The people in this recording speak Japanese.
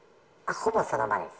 ほぼその場です。